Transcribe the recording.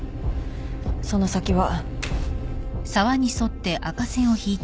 その先は。